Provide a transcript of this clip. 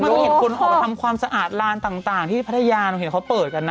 มันเห็นคุณออกไปทำความสะอาดลานต่างที่พัทยามันเห็นเขาเปิดกัน